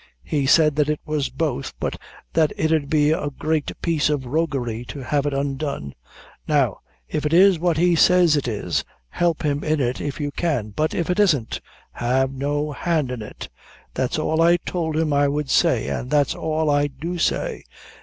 He said that it was both; but that it 'ud be a great piece of roguery to have it undone. Now, if it is what he says it is, help him in it, if you can; but if it isn't, have no hand in it. That's all I tould him I would say, an' that's all I do say.